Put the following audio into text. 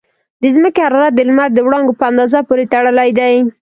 د ځمکې حرارت د لمر د وړانګو په اندازه پورې تړلی دی.